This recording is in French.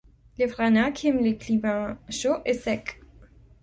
Le Vranac aime les climats chauds et secs.